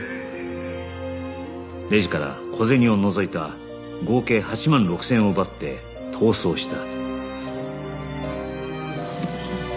レジから小銭を除いた合計８万６０００円を奪って逃走した